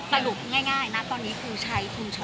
ปราณุกที่ง่ายนะ